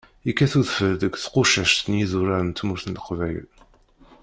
Yekkat udfel deg tqucac n yidurar n tmurt n Leqbayel.